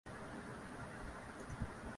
আমরা তাকে খুব ভালো করে চিনি।